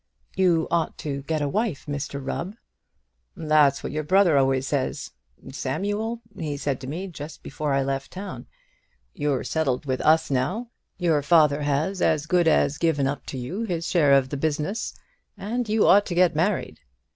"You ought to get a wife, Mr Rubb." "That's what your brother always says. 'Samuel,' he said to me just before I left town, 'you're settled with us now; your father has as good as given up to you his share of the business, and you ought to get married.'